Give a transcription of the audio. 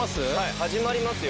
始まりますよ。